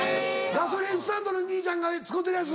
・ガソリンスタンドの兄ちゃんが使うてるやつ？